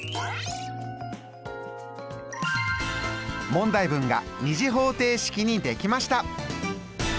問題文が２次方程式にできました！